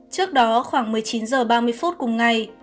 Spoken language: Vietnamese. trước đó khoảng một mươi chín h ba mươi phút cùng ngày